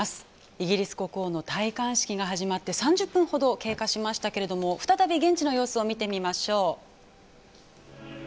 イギリス国王の戴冠式が始まって３０分ほどが経過しましたけれども再び現地の様子を見てみましょう。